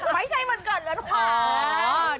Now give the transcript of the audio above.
ไม่ใช่วันเกิดเหรอทุกคน